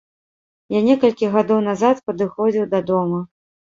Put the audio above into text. Я некалькі гадоў назад падыходзіў да дома.